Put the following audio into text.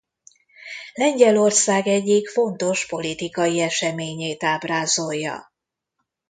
Lengyelország egyik fontos politikai eseményét ábrázolja.